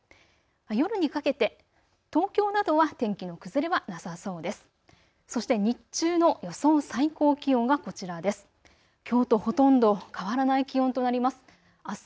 夜にかけて東京などは天気の崩れはなさそうです。